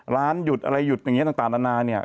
หยุดอะไรหยุดอย่างนี้ต่างนานาเนี่ย